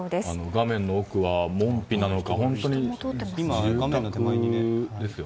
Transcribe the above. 画面の奥は門扉なのか。